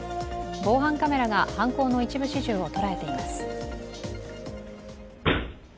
防犯カメラが犯行の一部始終を捉えています。